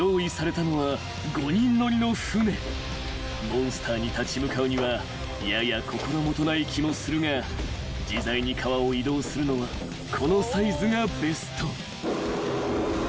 ［モンスターに立ち向かうにはやや心もとない気もするが自在に川を移動するのはこのサイズがベスト］